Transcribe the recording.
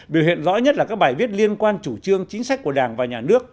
biểu hiện rõ nhất là các bài viết liên quan chủ trương chính sách của đảng và nhà nước